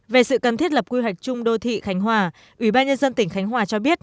về sự cần thiết lập quy hoạch chung đô thị khánh hòa ủy ban nhân dân tỉnh khánh hòa cho biết